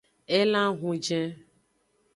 Elan ehunjen.